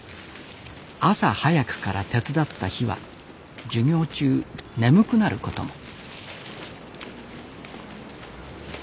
朝早くから手伝った日は授業中眠くなることも。